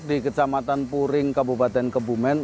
di kecamatan puring kabupaten kebumen